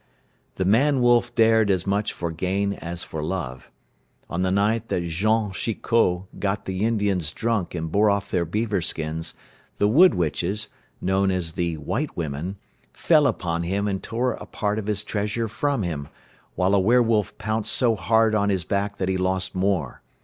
The man wolf dared as much for gain as for love. On the night that Jean Chiquot got the Indians drunk and bore off their beaver skins, the wood witches, known as "the white women," fell upon him and tore a part of his treasure from him, while a were wolf pounced so hard on his back that he lost more.